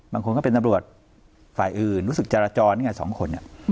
บางคนก็เป็นตำรวจฝ่ายอื่นรู้สึกจะระจอนเนี่ย๒คน